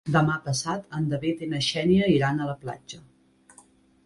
Demà passat en David i na Xènia iran a la platja.